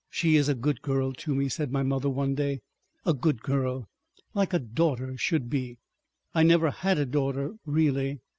"She is a good girl to me," said my mother one day. "A good girl. Like a daughter should be. ... I never had a daughter—really."